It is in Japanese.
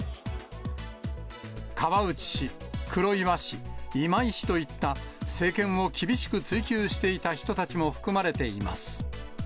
川内氏、黒岩氏、今井氏といった、政権を厳しく追及していた人たちも含まれています。